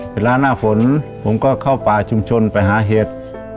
เวลาหน้าฝนผมก็เข้าป่าชุมชนไปหาเห็ด